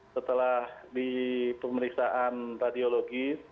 setelah di pemeriksaan radiologis